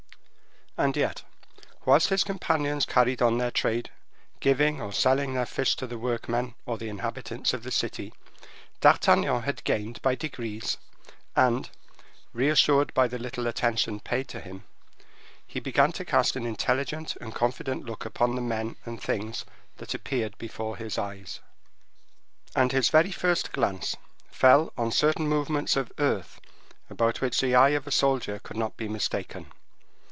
And yet, whilst his companions carried on their trade, giving or selling their fish to the workmen or the inhabitants of the city, D'Artagnan had gained by degrees, and, reassured by the little attention paid to him, he began to cast an intelligent and confident look upon the men and things that appeared before his eyes. And his very first glance fell on certain movements of earth about which the eye of a soldier could not be mistaken.